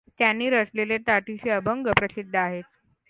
त्यांनी रचलेले ताटीचे अभंग प्रसिद्ध आहेत.